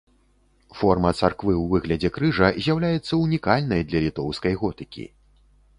Форма царквы ў выглядзе крыжа з'яўляецца ўнікальнай для літоўскай готыкі.